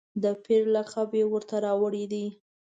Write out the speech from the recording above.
د پیر لقب یې ورته راوړی دی.